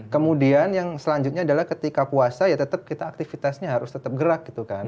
kemudian yang selanjutnya adalah ketika puasa ya tetap kita aktivitasnya harus tetap gerak gitu kan